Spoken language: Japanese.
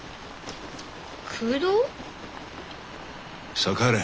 さあ帰れ。